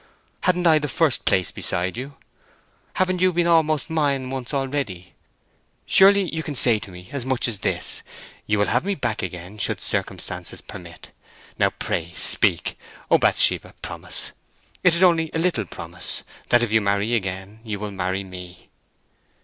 Hadn't I the first place beside you? Haven't you been almost mine once already? Surely you can say to me as much as this, you will have me back again should circumstances permit? Now, pray speak! O Bathsheba, promise—it is only a little promise—that if you marry again, you will marry me!"